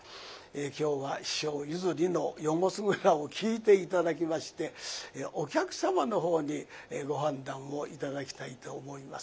今日は師匠譲りの「夜もすがら」を聞いて頂きましてお客様のほうにご判断を頂きたいと思います。